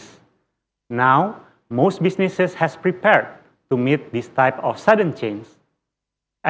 sekarang kebanyakan bisnis sudah siap untuk bertemu dengan perubahan tiba tiba